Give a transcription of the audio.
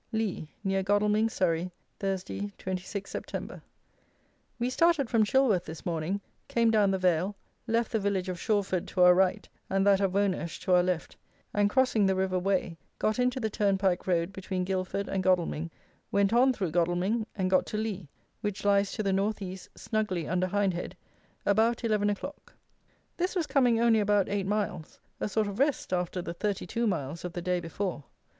Lea, near Godalming, Surrey, Thursday, 26 Sept. We started from Chilworth this morning, came down the vale, left the village of Shawford to our right, and that of Wonersh to our left, and crossing the river Wey, got into the turnpike road between Guildford and Godalming, went on through Godalming, and got to Lea, which lies to the north east snugly under Hindhead, about 11 o'clock. This was coming only about eight miles, a sort of rest after the 32 miles of the day before.